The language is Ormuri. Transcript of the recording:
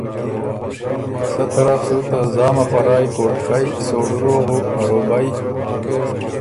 سۀ طرف سُو ته زامه په رایٛ کوټکئ، سوړُو روغُو، مروبئ،